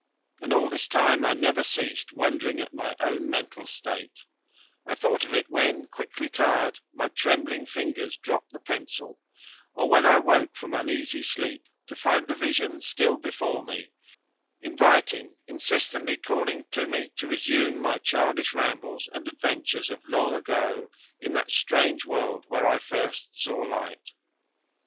And all this time I never ceased wondering at my own mental state; I thought of it when, quickly tired, my trembling fingers dropped the pencil; or when I woke from uneasy sleep to find the vision still before me, inviting, insistently calling to me, to resume my childish rambles and adventures of long ago in that strange world where I first saw the light.